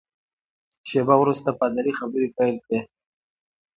شېبه وروسته پادري خبرې پیل کړې.